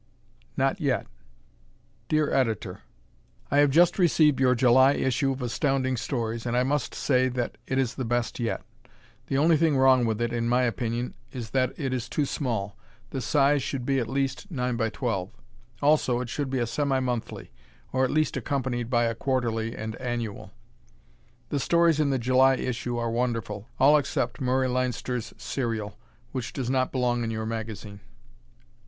Not Yet Dear Editor: I have just received your July issue of Astounding Stories, and I must say that it is the best yet. The only thing wrong with it, in my opinion, is that it is too small; the size should be at least 9x12. Also it should be a semi monthly, or at least accompanied by a quarterly and annual. The stories in the July issue are wonderful, all except Murray Leinster's serial, which does not belong in your magazine.